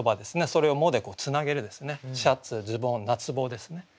それを「も」でつなげる「シャツ」「ズボン」「夏帽」ですね